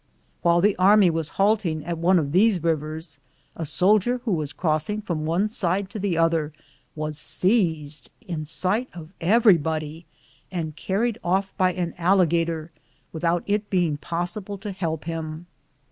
While the army was halting at one of these rivers, a soldier who was crossing from one side to the other was seized, in sight of everybody, and car ried off by an alligator without it being pos sible to help bim.